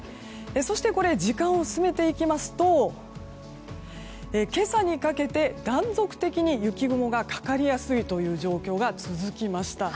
そして時間を進めていきますと今朝にかけて、断続的に雪雲がかかりやすい状況が続きました。